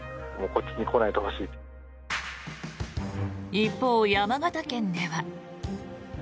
一方、山形県では。